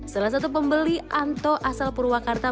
salah satu pembeli anto asal purwakarta